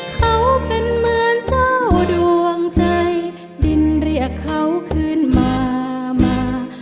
เขาเป็นเหมือนเจ้าดวงใจดินเรียกเขาขึ้นมามา